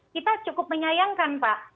kita cukup menyayangkan pak